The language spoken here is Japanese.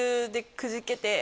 くじけて？